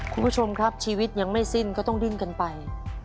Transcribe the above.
คุณผู้ชมครับชีวิตยังไม่สิ้นก็ต้องดิ้นกันไป